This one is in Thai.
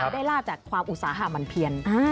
ได้ลาบจากความอุตสาหะมันเพียน